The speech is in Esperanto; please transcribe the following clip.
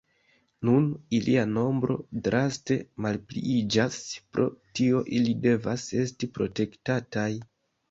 Nun ilia nombro draste malpliiĝas, pro tio ili devas esti protektataj.